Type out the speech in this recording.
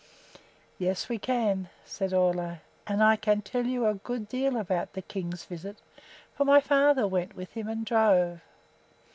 "Yes, we can," said Ole. "And I can tell you a good deal about the king's visit, for my father went with him and drove."